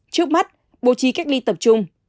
trước mắt bố trí cách ly tập trung